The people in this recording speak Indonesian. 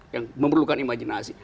yang memerlukan imajinasi